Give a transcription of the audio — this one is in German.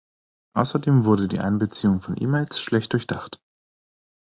Außerdem wurde die Einbeziehung von E-Mails schlecht durchdacht.